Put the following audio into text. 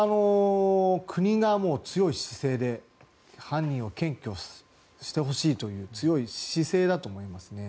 国が強い姿勢で犯人を検挙してほしいという強い姿勢だと思います。